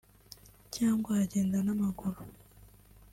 cyangwa agenda n’amaguru